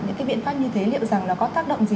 những cái biện pháp như thế liệu rằng nó có tác động gì